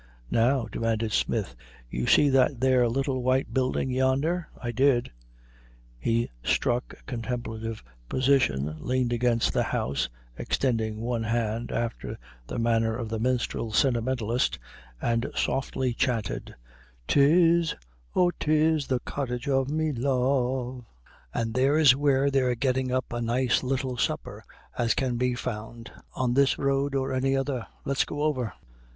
"Now," demanded Smith, "you see that there little white building yonder?" I did. He struck a contemplative position, leaned against the house, extending one hand after the manner of the minstrel sentimentalist, and softly chanted: "''Tis, O, 'tis the cottage of me love;' "and there's where they're getting up as nice a little supper as can be found on this road or any other. Let's go over!"